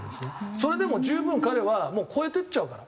それでも十分彼はもう越えてっちゃうから。